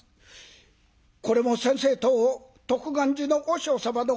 これも先生と徳願寺の和尚様のおかげでございます。